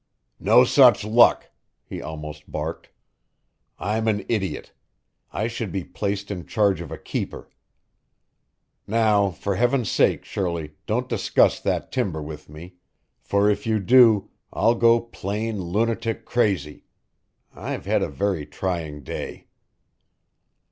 "No such luck!" he almost barked. "I'm an idiot. I should be placed in charge of a keeper. Now, for heaven's sake, Shirley, don't discuss that timber with me, for if you do, I'll go plain, lunatic crazy. I've had a very trying day."